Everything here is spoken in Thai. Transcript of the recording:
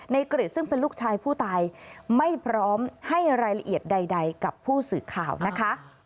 กริจซึ่งเป็นลูกชายผู้ตายไม่พร้อมให้รายละเอียดใดกับผู้สื่อข่าวนะคะ